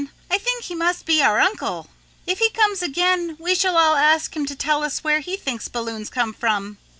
I think he must be our uncle. If he comes again we shall all ask him to tell us where he thinks balloons come from."